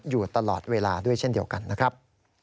อยู่ตลอดเวลาด้วยเช่นเดียวกันนะครับ